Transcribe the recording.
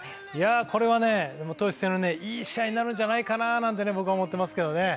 これはいい試合になるんじゃないかなと僕は思っていますけどね。